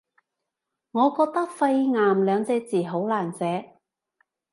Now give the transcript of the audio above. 我覺得肺癌兩隻字好難寫